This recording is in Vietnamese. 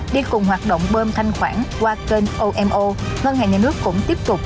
đi cùng hoạt động bơm thanh khoản qua kênh omo ngân hàng nhà nước cũng tiếp tục